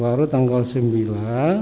baru tanggal sembilan